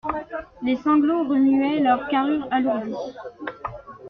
Les sanglots remuaient leurs carrures alourdies.